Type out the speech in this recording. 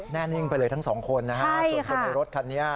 แน่นิ่งไปเลยทั้งสองคนนะฮะส่วนคนในรถคันนี้